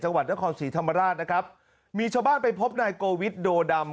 จังหวัดนครศรีธรรมราชนะครับมีชาวบ้านไปพบนายโกวิทโดดำ